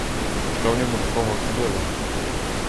Що в ньому такого особливого?!